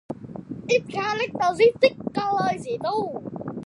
Its characteristic color is yellow.